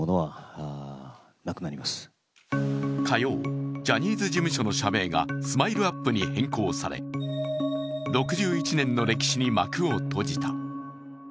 火曜、ジャニーズ事務所の社名がＳＭＩＬＥ−ＵＰ．に変更され６１年の歴史に幕を閉じた。